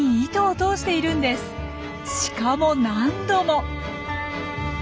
しかも何度も。